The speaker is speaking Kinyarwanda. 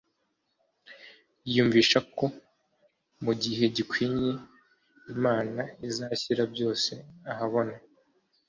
yiyumvishako mu gihe gikwinye Imana izashyira byose ahabona.